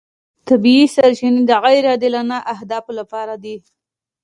طبیعي سرچینې د غیر عادلانه اهدافو لپاره دي.